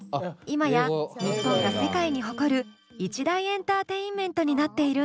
今や日本が世界に誇る一大エンターテインメントになっているんです。